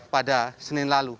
pada senin lalu